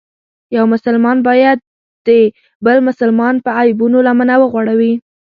یو مسلمان باید د بل مسلمان په عیبونو لمنه وغوړوي.